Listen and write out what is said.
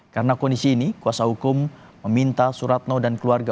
karena kondisi ini kuasa hukum meminta suratno dan keluarga